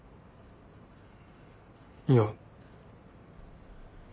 いや。